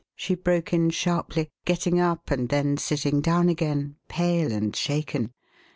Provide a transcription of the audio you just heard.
she broke in sharply, getting up and then sitting down again, pale and shaken.